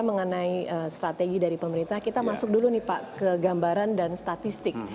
mengenai strategi dari pemerintah kita masuk dulu nih pak ke gambaran dan statistik